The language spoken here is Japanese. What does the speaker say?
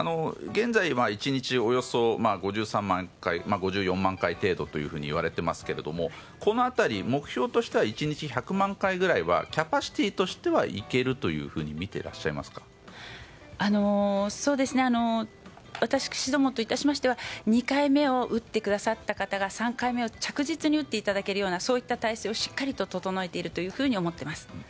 現在は１日およそ５４万回程度といわれていますがこの辺り、目標としては１日１００万回はキャパシティーとしてはいけるというふうに私どもといたしましては２回目を打ってくださった方が３回目を着実に打っていただけるようなそういった態勢をしっかり整えているというふうに思っています。